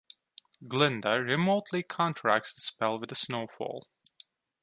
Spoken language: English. Glinda remotely counteracts the spell with a snowfall.